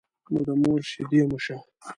نو د مور شيدې مو شه.